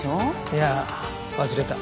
いや忘れた。